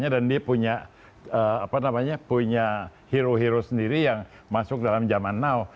dan dia punya hero hero sendiri yang masuk dalam zaman now